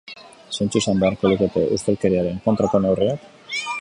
Zeintzuk izan beharko lukete ustelkeriaren kontrako neurriak?